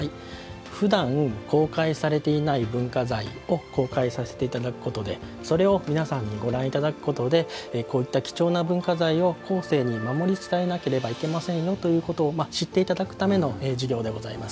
ふだん公開されていない文化財を公開させていただくことでそれを皆さんにご覧いただくことでこういった貴重な文化財を後世に守り伝えなければいけませんよということを知っていただくための事業でございます。